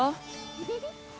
フフフ。